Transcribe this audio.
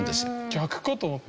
逆かと思った。